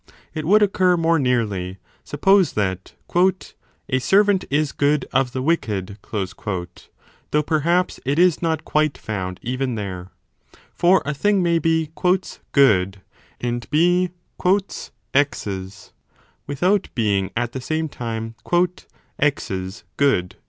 It would occur more nearly, suppose that A servant is good of the wicked ; though perhaps it is not quite found even there : for a thing may be good and be X s without being at the same time 1 JTs good